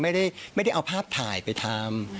ไม่ได้เอาภาพถ่ายไปทำ